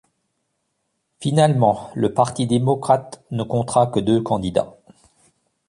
Finalement, le Parti démocrate ne comptera que deux candidats.